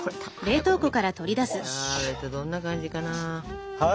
どんな感じかな。